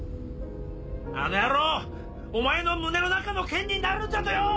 あの野郎お前の胸の中の剣になるんだとよ！